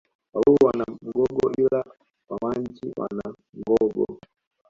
Wagogo wana Mgogo ila Wawanji wana Ngogo